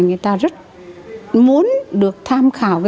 người ta rất muốn được tham khảo